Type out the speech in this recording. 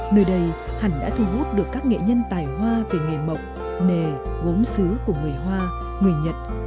nơi đây hẳn đã thu hút được các nghệ nhân tài hoa về nghề mộng nề gốm xứ của người hoa người nhật người bắc